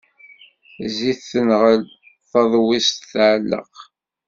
Zzit tenɣel, taḍwist tɛelleq.